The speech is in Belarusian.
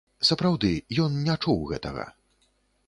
Сапраўды, ён не чуў гэтага.